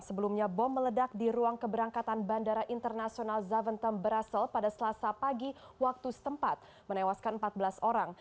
sebelumnya bom meledak di ruang keberangkatan bandara internasional zaventem brasel pada selasa pagi waktu setempat menewaskan empat belas orang